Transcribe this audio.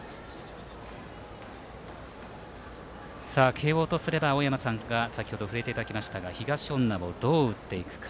慶応とすれば青山さんが先ほど触れていただきましたが東恩納をどう打っていくか。